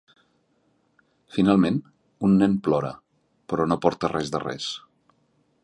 Finalment, un nen plora, però no porta res de res.